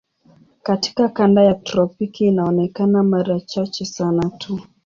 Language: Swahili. Katika kanda ya tropiki inaonekana mara chache sana tu.